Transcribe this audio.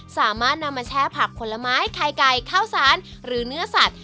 สามารถนำมาแช่ผักผลไม้ไข่ไก่ข้าวสารหรือเนื้อสัตว